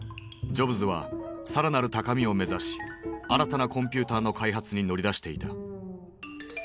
ジョブズはさらなる高みを目指し新たなコンピューターの開発に乗り出していた。